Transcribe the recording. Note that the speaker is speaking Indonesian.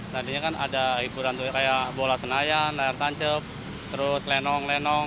tadinya kan ada hiburan kayak bola senayan layar tancap terus lenong lenong